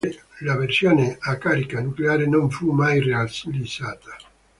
La versione a carica nucleare non fu mai realizzata.